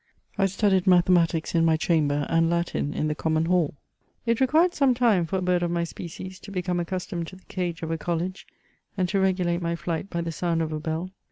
I studied mathe matics in my chamber, and Latin in the common hall. It required some time for a bird of my species to become accustomed to the cage of a coll^, and to r^ulate my flight by the sound of a bell.